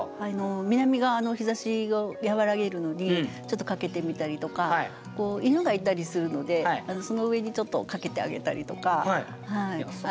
南側の日ざしを和らげるのにちょっと掛けてみたりとか犬がいたりするのでその上にちょっと掛けてあげたりとか。